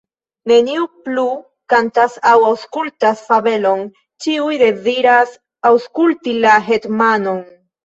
Neniu plu kantas aŭ aŭskultas fabelon, ĉiuj deziras aŭskulti la hetmanon.